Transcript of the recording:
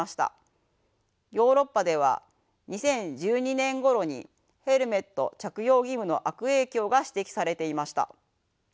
ヨーロッパでは２０１２年ごろにヘルメット着用義務の悪影響が指摘されていました。